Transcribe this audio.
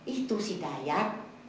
itu si dayat